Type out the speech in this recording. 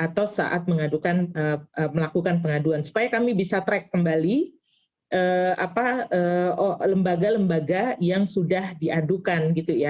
atau saat melakukan pengaduan supaya kami bisa track kembali lembaga lembaga yang sudah diadukan gitu ya